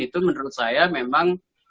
itu menurut saya memang